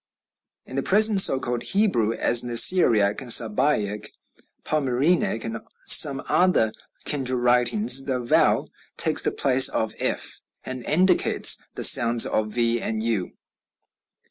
"In the present so called Hebrew, as in the Syriac, Sabæic, Palmyrenic, and some other kindred writings, the vau takes the place of F, and indicates the sounds of v and u.